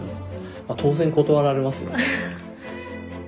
まあ当然断られますよね。